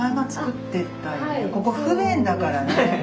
ここ不便だからね。